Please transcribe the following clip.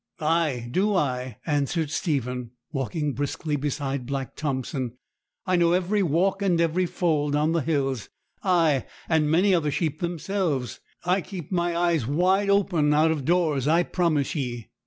'Ay, do I,' answered Stephen, walking briskly beside Black Thompson; 'I know every walk and every fold on the hills; ay, and many of the sheep themselves. I keep my eyes wide open out of doors, I promise ye.'